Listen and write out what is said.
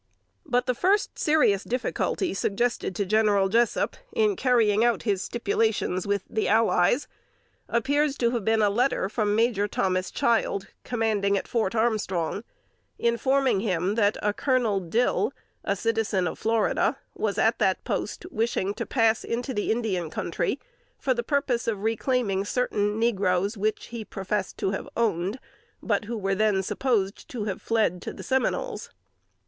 But the first serious difficulty suggested to General Jessup, in carrying out his stipulations with the "allies," appears to have been a letter from Major Thomas Child, commanding at Fort Armstrong, informing him that a "Colonel Dill," a citizen of Florida, was at that post, wishing to pass into the Indian country for the purpose of reclaiming certain negroes which he professed to have owned, but who were then supposed to have fled to the Seminoles.